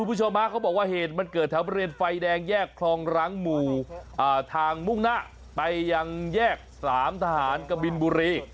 คุณผู้ชมฮะเขาบอกว่าเหตุมันเกิดแถวบริเวณไฟแดงแยกคลองรังหมู่ทางมุ่งหน้าไปยังแยกสามทหารกบินบุรี